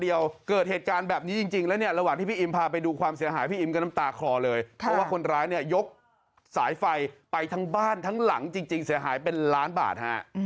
อิมรู้แล้วว่าเขาคือใคร